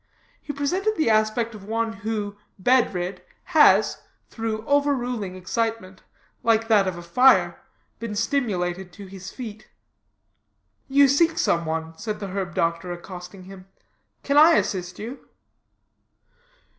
He presented the aspect of one who, bed rid, has, through overruling excitement, like that of a fire, been stimulated to his feet. "You seek some one," said the herb doctor, accosting him. "Can I assist you?"